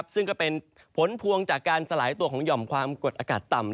ซึ่งก็เป็นผลพวงจากการสลายตัวของหย่อมความกดอากาศต่ำ